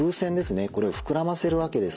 これを膨らませるわけです。